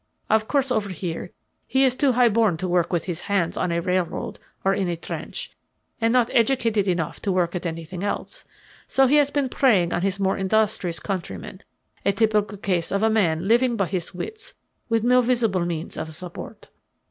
Of course over here he is too high born to work with his hands on a railroad or in a trench, and not educated enough to work at anything else. So he has been preying on his more industrious countrymen a typical case of a man living by his wits with no visible means of support.